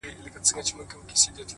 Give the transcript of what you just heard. خلگو شتنۍ د ټول جهان څخه راټولي كړې؛